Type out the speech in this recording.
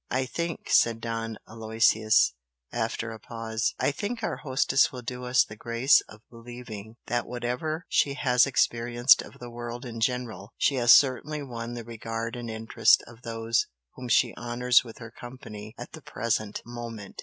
"I think," said Don Aloysius, after a pause "I think our hostess will do us the grace of believing that whatever she has experienced of the world in general, she has certainly won the regard and interest of those whom she honours with her company at the present moment!"